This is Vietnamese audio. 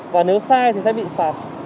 và nếu sai thì sẽ bị phạt